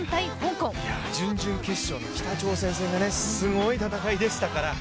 準々決勝の北朝鮮戦がすごい戦いでしたから。